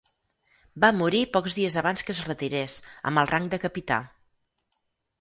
Va morir pocs dies abans que es retirés amb el rang de capità.